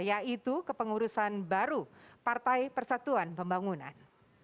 yaitu kepengurusan baru partai persatuan pembangunan